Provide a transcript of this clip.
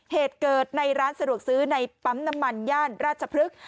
เหตุเกิดในร้านสะดวกซื้อในปั๊มน้ำมันย่านราชพฤกษ์